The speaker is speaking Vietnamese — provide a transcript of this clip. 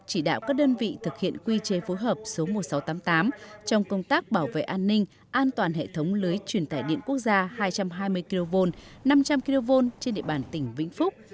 chỉ đạo các đơn vị thực hiện quy chế phối hợp số một nghìn sáu trăm tám mươi tám trong công tác bảo vệ an ninh an toàn hệ thống lưới truyền tải điện quốc gia hai trăm hai mươi kv năm trăm linh kv trên địa bàn tỉnh vĩnh phúc